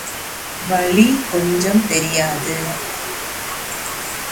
வலி கொஞ்சமும் தெரியாது.